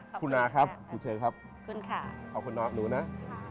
ขอบคุณค่ะค่ะคุณเชียร์ครับขอบคุณค่ะหนูนะค่ะ